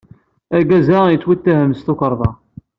Argaz-a yettwatthem s tukerḍa.